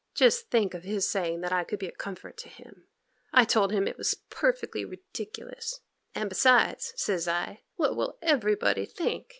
Just think of his saying that I could be a comfort to him! I told him that it was perfectly ridiculous, "and besides," says I, "what will everybody think?"